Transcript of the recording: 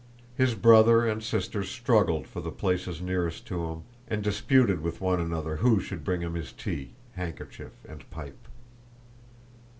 His brother and sisters struggled for the places nearest to him and disputed with one another who should bring him his tea, handkerchief, and pipe.